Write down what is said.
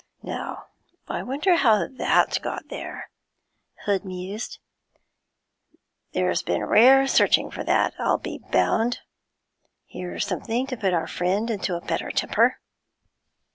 'Now I wonder how that got left there?' Hood mused. 'There's been rare searching for that, I'll be bound. Here's something to put our friend into a better temper.'